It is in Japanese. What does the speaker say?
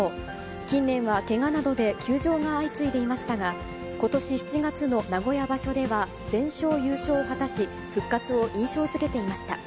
近年はけがなどで休場が相次いでいましたが、ことし７月の名古屋場所では全勝優勝を果たし、復活を印象づけていました。